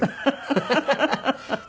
ハハハハ。